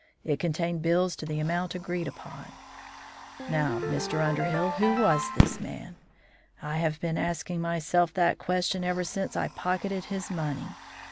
It contained bills to the amount agreed upon. "Now, Mr. Underhill, who was this man? I have been asking myself that question ever since I pocketed his money.